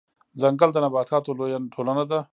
ځنګل د نباتاتو لويه ټولنه ده